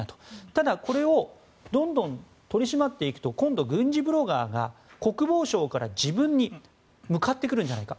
ただ、これをどんどん取り締まっていくと今度は軍事ブロガーが国防省から自分に向かってくるんじゃないか。